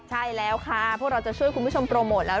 ใช่แล้วค่ะพวกเราจะช่วยคุณผู้ชมโปรโมทแล้ว